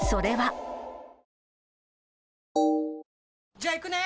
じゃあ行くね！